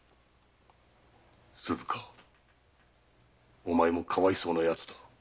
鈴加お前もかわいそうなやつだ。